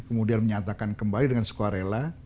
kemudian menyatakan kembali dengan sukarela